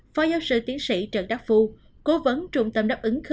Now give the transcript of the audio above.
phó giáo sư tiến sĩ trần đắc phu cố vấn trung tâm đáp ứng